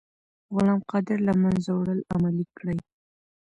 غلام قادر له منځه وړل عملي کړئ.